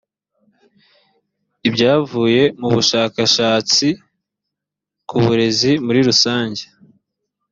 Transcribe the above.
ibyavuye mu bushakashatsi ku burezi muri rusange